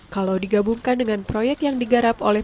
kalau digabungkan dengan proyek yang digarap oleh